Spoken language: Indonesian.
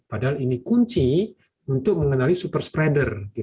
padahal ini kunci untuk mengenali super spreader